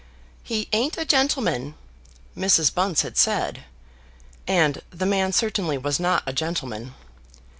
"He ain't a gentleman," Mrs. Bunce had said. And the man certainly was not a gentleman.